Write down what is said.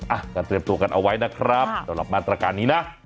อ่ะก็เตรียมตัวกันเอาไว้นะครับสำหรับมาตรการนี้นะ